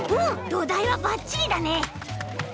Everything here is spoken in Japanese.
どだいはバッチリだね！